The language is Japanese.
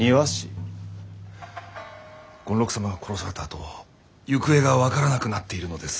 権六様が殺されたあと行方が分からなくなっているのです。